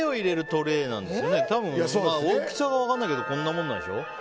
多分、大きさは分からないけどこんなもんでしょ。